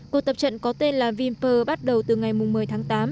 cuộc tập trận có tên là vinpear bắt đầu từ ngày một mươi tháng tám